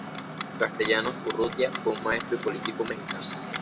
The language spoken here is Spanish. Castellanos Urrutia fue un maestro y político mexicano.